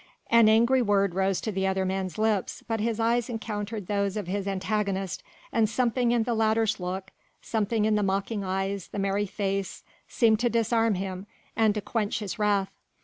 An angry word rose to the other man's lips, but his eyes encountered those of his antagonist and something in the latter's look, something in the mocking eyes, the merry face, seemed to disarm him and to quench his wrath.